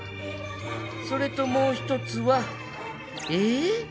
それともう一つはえ！？